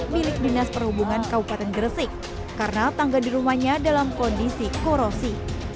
milik dinas perhubungan kabupaten gresik karena tangga di rumahnya dalam kondisi korosi